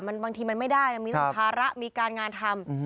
บางทีมันไม่ได้มีภาระมีการงานทำ